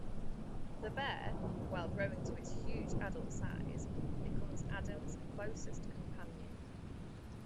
The bear, while growing to its huge adult size, becomes Adams' closest companion.